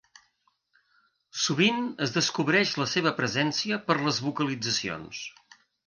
Sovint es descobreix la seva presència per les vocalitzacions.